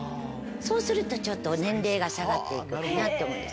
そうするとちょっと年齢が下がって行くかなと思います。